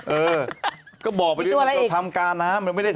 เออก็บอกไปด้วยว่าทำกาน้ำมีตัวอะไรอีก